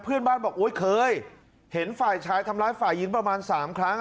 เพื่อนบ้านบอกโอ๊ยเคยเห็นฝ่ายชายทำร้ายฝ่ายหญิงประมาณ๓ครั้ง